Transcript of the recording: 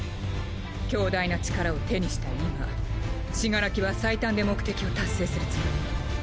強大な力を手にした今死柄木は最短で目的を達成するつもりよ。